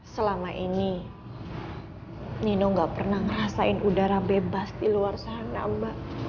selama ini nino nggak pernah ngerasain udara bebas di luar sana mbak